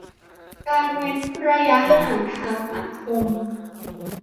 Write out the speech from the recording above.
การเว้นระยะห่างทางสังคม